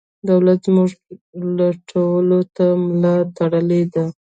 دولت زموږ لوټلو ته ملا تړلې ده.